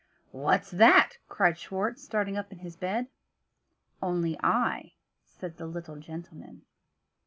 "What's that?" cried Schwartz, starting up in his bed. "Only I," said the little gentleman.